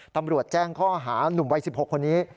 ตำรวจแจ้งข้อหานุ่มวัย๑๖คนนี้